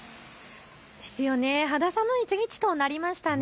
肌寒い一日となりましたね。